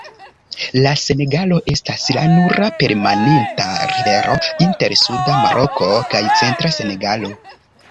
La Senegalo estas la nura permanenta rivero inter suda Maroko kaj centra Senegalo.